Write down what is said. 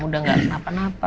udah gak apa apa